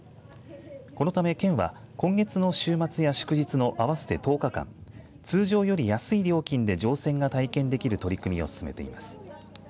このため県は今月の週末や祝日の合わせて１０日間、通常より安い料金で乗船が体験できる取り組みを進めています。